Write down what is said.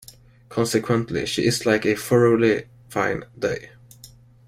Consequently she is like a thoroughly fine day.